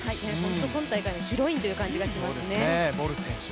今大会のヒロインという感じがしますね。